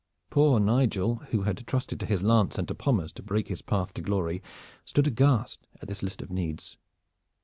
Poor Nigel, who had trusted to his lance and to Pommers to break his path to glory, stood aghast at this list of needs.